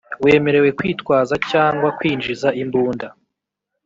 wemerewe kwitwaza cyangwa kwinjiza imbunda